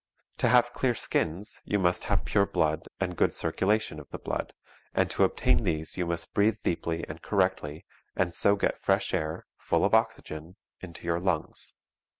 To have clear skins you must have pure blood and good circulation of the blood, and to obtain these you must breathe deeply and correctly and so get fresh air, full of oxygen, into your lungs.